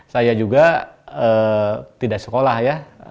saya juga tidak sekolah ya